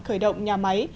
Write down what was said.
khởi động nhà máy